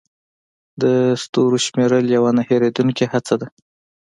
د ستورو شمیرل یوه نه ختمېدونکې هڅه ده.